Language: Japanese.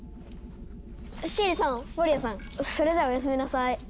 シエリさんフォリアさんそれじゃあおやすみなさい。